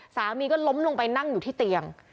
สามีก็ล้มลงไปนั่งอยู่ที่เตียง